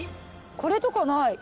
これとかない。